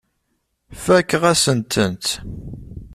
Fakeɣ-asen-tent.